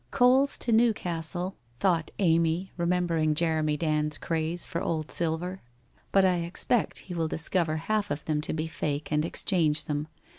' Coals to Newcastle,' thought Amy, remembering Jeremy Dand's craze for old silver, ' but I expect he will discover half of them to be fake and exchange them.